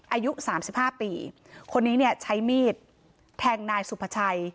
อายุสามสิบห้าปีคนนี้เนี่ยใช้มีดแทงนายสุภาชัย